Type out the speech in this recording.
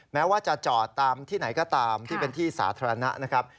แม้ว่าจะจอดตามที่ไหนก็ตามที่เป็นที่สาธารณะนะครับ